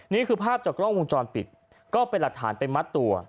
นี่คือภาพจากกล้องวงจรปิดก็เป็นหลักฐานไปมัดตัว